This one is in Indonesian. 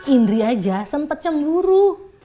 indri aja sempet cemburu